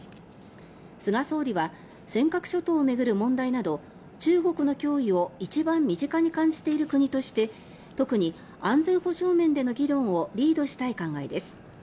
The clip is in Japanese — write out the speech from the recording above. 菅総理は尖閣諸島を巡る問題など中国の脅威を一番身近に感じている国として特に安全保障面での議論をリードしたい考えです。